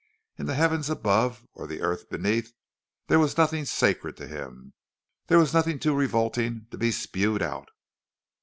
In the heavens above or the earth beneath there was nothing sacred to him; there was nothing too revolting to be spewed out.